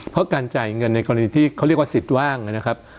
เพราะการจ่ายเงินในกรณีที่เขาเรียกว่าสิทธิ์ว่างนะครับ